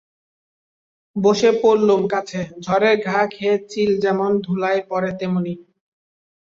বসে পড়লুম কাছে, ঝড়ের ঘা খেয়ে চিল যেমন ধুলায় পড়ে তেমনি।